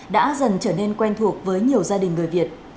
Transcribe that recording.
đã dần trở nên quen thuộc với nhiều gia đình người việt